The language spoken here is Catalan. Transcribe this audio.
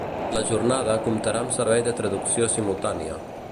La jornada comptarà amb servei de traducció simultània.